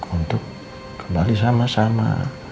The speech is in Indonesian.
untuk kembali sama sama